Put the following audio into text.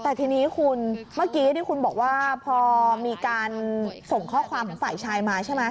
แต่ทีนี้คุณเมื่อกี้ที่คุณบอกว่าพอมีการส่งข้อความของฝ่ายชายมาใช่ไหม